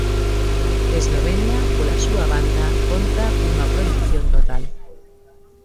Eslovenia, pola súa banda, conta cunha prohibición total.